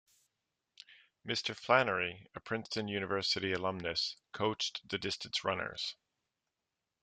Mr. Flannery, a Princeton University alumnus, coached the distance runners.